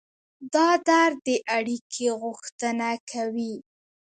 دا درد د اړیکې غوښتنه کوي.